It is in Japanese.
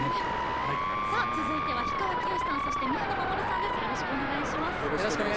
続いては氷川きよしさん宮野真守さんです。